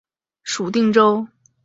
属定州。